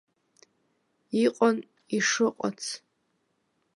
Иҟан ишыҟац.